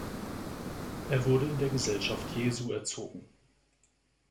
Er wurde in der Gesellschaft Jesu erzogen.